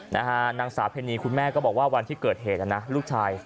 นางสาวเพณีคุณแม่ก็บอกว่าวันที่เกิดเหตุนะนะลูกชาย